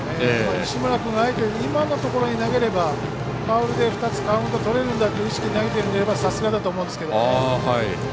西村君が、今のところに投げればファウルで２つカウントをとれるんだという意識で投げていればさすがだと思うんですけどね。